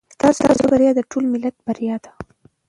ستاسو بریا د ټول ملت بریا ده.